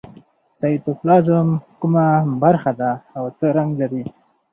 سایتوپلازم کومه برخه ده او څه رنګ لري